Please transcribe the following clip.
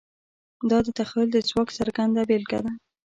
دا د تخیل د ځواک څرګنده بېلګه ده.